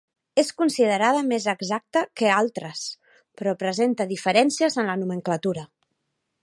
És considerada més exacta que altres però presenta diferències en la nomenclatura.